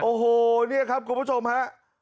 โอ้โหเนี่ยครับคุณผู้ชมฮะ